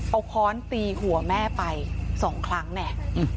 เอาค้อนตีหัวแม่ไปสองครั้งเนี่ย